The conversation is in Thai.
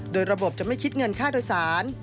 โดยระบบจะไม่คิดเงินค่าโดยสาร